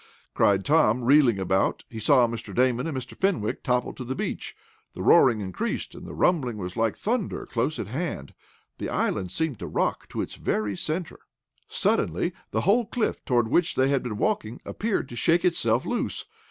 cried Tom, reeling about. He saw Mr. Damon and Mr. Fenwick topple to the beach. The roaring increased, and the rumbling was like thunder, close at hand. The island seemed to rock to its very centre. Suddenly the whole cliff toward which they had been walking, appeared to shake itself loose.